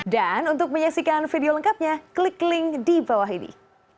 dan untuk menyaksikan video lengkapnya klik link di bawah ini